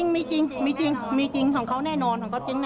มีจริงมีจริงมีจริงของเขาแน่นอน